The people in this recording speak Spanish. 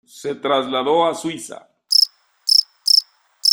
Se trasladó a Suiza.